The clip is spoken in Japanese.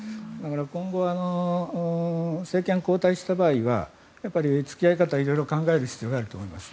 今後、政権交代した場合は付き合い方を色々考える必要があると思います。